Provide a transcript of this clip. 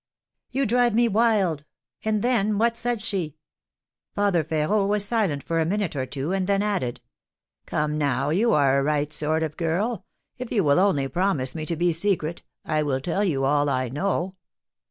"You drive me wild! And then and what said she?" Father Férot was silent for a minute or two, and then added: "Come, now, you are a right sort of a girl; if you will only promise me to be secret, I will tell you all I know."